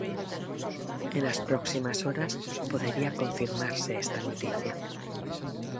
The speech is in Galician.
E nas próximas horas podería confirmarse esta noticia.